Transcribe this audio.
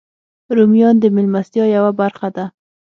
رومیان د میلمستیا یوه برخه ده